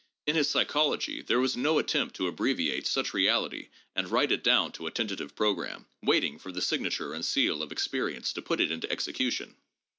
In his Psychology there was no attempt to abbreviate such reality and write it down to a tentative programme, waiting for the signature and seal of experience to put it into execution.